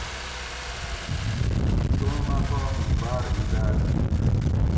توم اٞ پا مُوں باٞر عِزاٞت کِیر